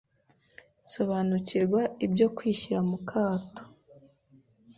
Sobanukirwa ibyo 'kwishyira mu kato